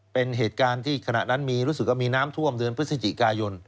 เป็นเหตุการณ์ที่ขณะนั้นมีรู้สึกว่ามีน้ำท่วมเดือนพฤศจิกายน